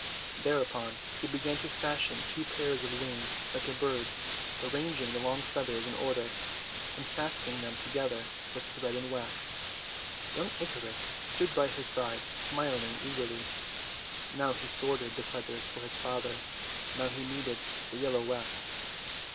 Thereupon he began to fashion two pairs of wings like a bird's, arranging the long feathers in order, and fastening them together with thread and wax. Young Icarus stood by his side, smiling eagerly. Now he sorted the feathers for his father, now he kneaded the yellow wax.